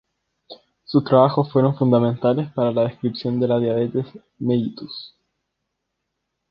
Sus trabajos fueron fundamentales para la descripción de la Diabetes mellitus.